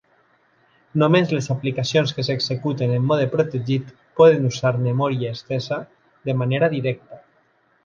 Només les aplicacions que s'executen en mode protegit poden usar memòria estesa de manera directa.